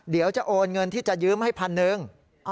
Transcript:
เดี๋ยวจะโอนเงินที่จะยืมให้พันหนึ่ง